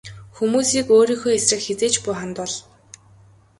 Хүмүүсийг өөрийнхөө эсрэг хэзээ ч бүү хандуул.